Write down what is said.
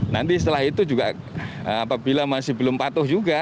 nanti setelah itu juga apabila masih belum patuh juga